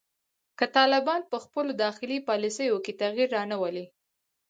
که طالبان په خپلو داخلي پالیسیو کې تغیر رانه ولي